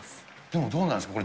でもどうなんですか？